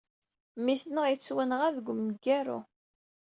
Mmi-tneɣ yettwanɣa deg umgaru.